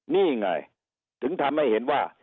นี่ไงถึงทำให้เห็นว่า